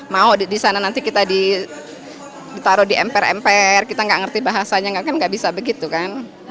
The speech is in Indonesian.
mau di sana nanti kita ditaruh di emper emper kita nggak ngerti bahasanya kan nggak bisa begitu kan